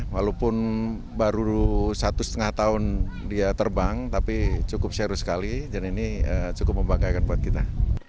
walaupun baru satu setengah tahun dia terbang tapi cukup seru sekali dan ini cukup membanggakan buat kita